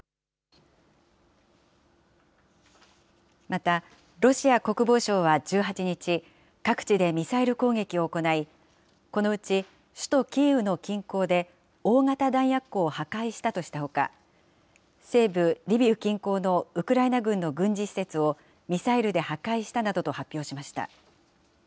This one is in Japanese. また、ロシア国防省は１８日、各地でミサイル攻撃を行い、このうち首都キーウの近郊で、大型弾薬庫を破壊したとしたほか、西部リビウ近郊のウクライナ軍の軍事施設をミサイルで破壊したなどと発表しました。